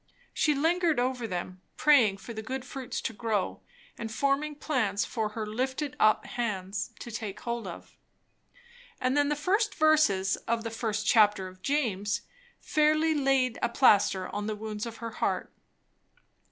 She lingered over them, praying for the good fruits to grow, and forming plans for her "lifted up" hands to take hold of. And then the first verses of the first chapter of James fairly laid a plaister on the wounds of her heart.